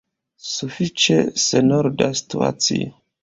Sufiĉe senorda situacio.